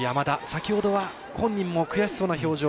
先ほどは本人も悔しそうな表情。